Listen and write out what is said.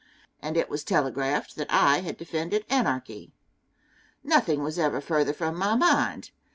And it was telegraphed that I had defended anarchy. Nothing was ever further from my mind.